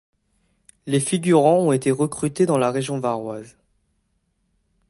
Les figurants ont été recrutés dans la région varoise.